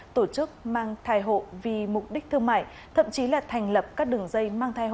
tổ chức mang thai hộ vì mục đích thương mại thậm chí là thành lập các đường dây